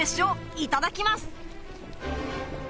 いただきます！